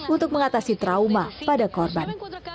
untuk mengatasi trauma pada korban